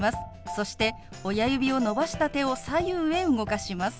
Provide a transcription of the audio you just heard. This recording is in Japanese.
そして親指を伸ばした手を左右へ動かします。